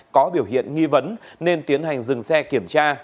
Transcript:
có biểu hiện nghi vấn nên tiến hành dừng xe kiểm tra